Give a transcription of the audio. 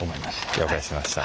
了解しました。